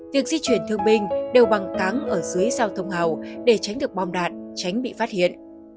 việc di chuyển thương binh đều bằng cáng ở dưới giao thông hào để tránh được bom đạn tránh bị phát hiện